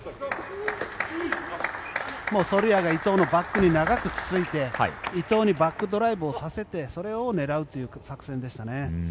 ソルヤが伊藤のバックに長くついて伊藤にバックドライブをさせてそれを狙うという作戦でしたね。